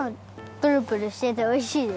プルプルしてておいしいです。